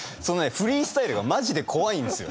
フリースタイルがマジで怖いんですよ。